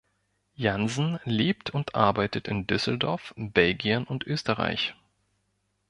Jansen lebt und arbeitet in Düsseldorf, Belgien und Österreich.